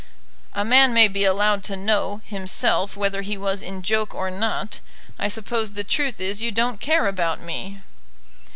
"A man may be allowed to know, himself, whether he was in joke or not. I suppose the truth is you don't care about me?"